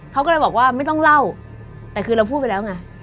เขาก็เลยบอกว่าไม่ต้องเล่าแต่คือเราพูดไปแล้วไง